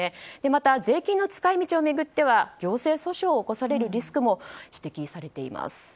また、税金の使い道については行政訴訟を起こされるリスクも指摘されています。